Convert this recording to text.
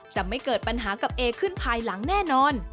จะไม่เกิดปัญหากับเอขึ้นภายหลังแน่นอน